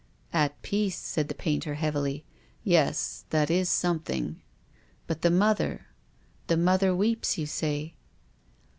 "At peace," said the painter heavily. "Yes, that is something. But the mother — the mother weeps, you say."